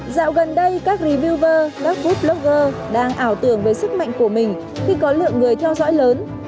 dạo gần đây các reviewer blogger đang ảo tưởng về sức mạnh của mình khi có lượng người theo dõi lớn